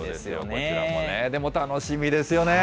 こちらもね、でも楽しみですよね。